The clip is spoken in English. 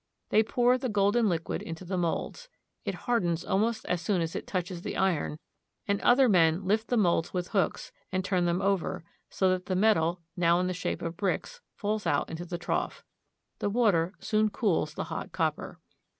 They pour the golden liquid into the molds. It hardens almost as soon as it touches the iron, and other men lift the molds with hooks, and turn them over, so that the metal, now in the shape of bricks, falls out into the trough. The water soon cools the hot copper.